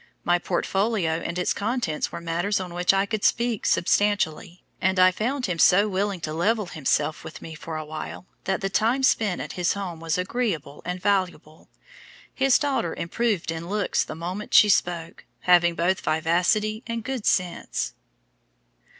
My portfolio and its contents were matters on which I could speak substantially, and I found him so willing to level himself with me for awhile that the time spent at his home was agreeable and valuable. His daughter improved in looks the moment she spoke, having both vivacity and good sense."